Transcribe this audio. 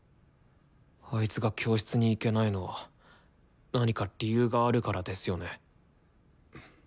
あいつが教室に行けないのは何か理由があるからですよね？